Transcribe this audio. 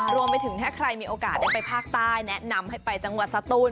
รวมไปถึงถ้าใครมีโอกาสได้ไปภาคใต้แนะนำให้ไปจังหวัดสตูน